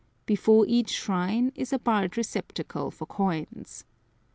Before each shrine is a barred receptacle for coins.